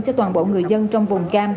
cho toàn bộ người dân trong vùng cam